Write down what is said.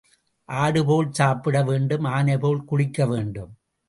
ஆடு போல் சாப்பிட வேண்டும் ஆனைபோல் குளிக்க வேண்டும்.